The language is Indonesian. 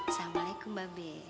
assalamualaikum mbak be